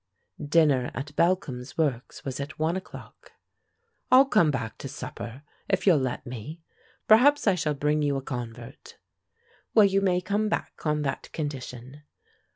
Dinner at Balcom's Works was at one o'clock. "I'll come back to supper, if you'll let me. Perhaps I shall bring you a convert." "Well, you may come back, on that condition."